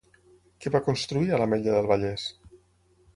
Què va construir a l'Ametlla del Vallès?